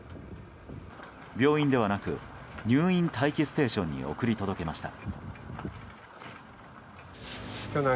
病院ではなく入院待機ステーションに送り届けました。